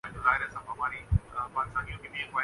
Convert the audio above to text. بس ایک میان میں دو تلواریں نہیں ہوسکتیں